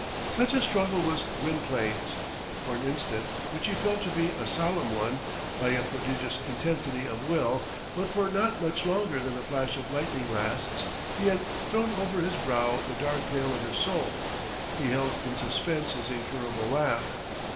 Such a struggle was Gwynplaine's. For an instant, which he felt to be a solemn one, by a prodigious intensity of will, but for not much longer than a flash of lightning lasts, he had thrown over his brow the dark veil of his soul he held in suspense his incurable laugh.